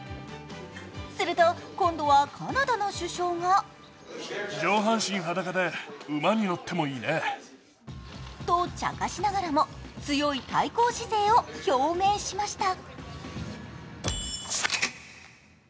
すると今度はカナダの首相がと、茶化しながらも強い対抗姿勢を表明しました。